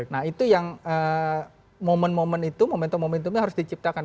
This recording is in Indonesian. nah itu yang momentum momentumnya harus diciptakan